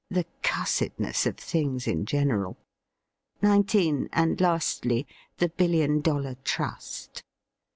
The cussedness of things in general. 19. And, lastly, the Billion Dollar Trust.